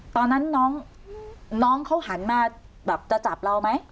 ตอนนั้นน้องเขาหันมาแบบจะจับเราไหม